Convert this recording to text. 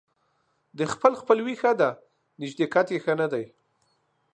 د خپل خپلوي ښه ده ، نژدېکت يې ښه نه دى.